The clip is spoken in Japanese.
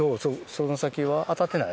その先は当たってない？